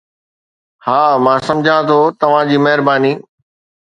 ها، مان سمجهان ٿو، توهان جي مهرباني